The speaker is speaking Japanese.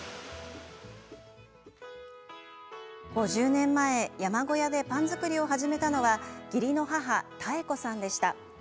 ５０年前、山小屋でパンを作り始めたのは義理の母、妙子さんでした。